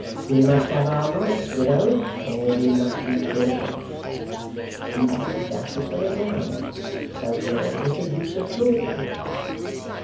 We must have our rights, widow, or we must be bought off. But you know that, as well as I, so where is the use of talking?